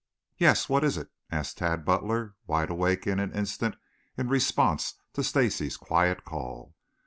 "Yes, what is it?" asked Tad Butler, wide awake in an instant in response to Stacy's quiet call.